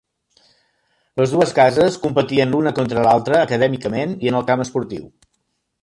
Les dues cases competien l'una contra l'altra acadèmicament i en el camp esportiu.